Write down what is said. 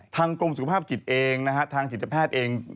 ทางกรมสุขภาพจิตเองนะฮะทางจิตแพทย์เอง